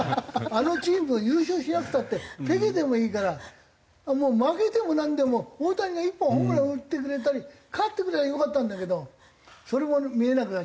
あのチームが優勝しなくたってペケでもいいからもう負けてもなんでも大谷が１本ホームラン打ってくれたり勝ってくれりゃよかったんだけどそれも見れなくなっちゃって。